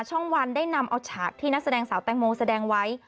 ช่องวันได้นำเอาฉากที่นักแสดงสาวแตงโมแสดงไว้